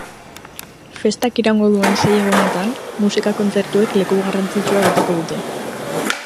Festak iraungo duen sei egunetan, musika kontzertuek leku garrantzitsua beteko dute.